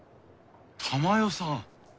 珠世さん？